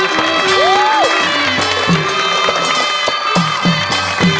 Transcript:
มีชื่อว่าโนราตัวอ่อนครับ